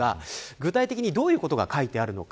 具体的にどういうことが書いてあるのか。